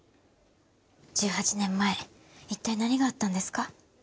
１８年前一体何があったんですか？